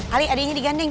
ali adiknya diganding